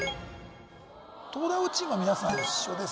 東大王チームは皆さん一緒ですね